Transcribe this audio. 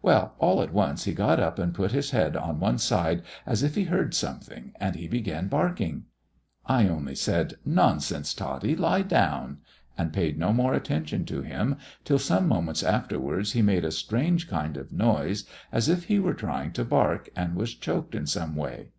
Well, all at once he got up and put his head on one side as if he heard something, and he began barking. I only said 'Nonsense, Totty, lie down,' and paid no more attention to him, till some moments afterwards he made a strange kind of noise as if he were trying to bark and was choked in some way.